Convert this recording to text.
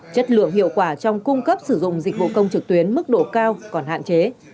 chất lượng hiệu quả trong cung cấp sử dụng dịch vụ công trực tuyến mức độ cao còn hạn chế